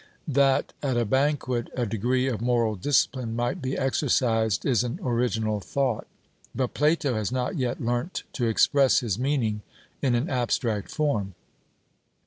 That at a banquet a degree of moral discipline might be exercised is an original thought, but Plato has not yet learnt to express his meaning in an abstract form.